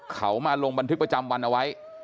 เขามาลงบันทึกประจำวันเอาไว้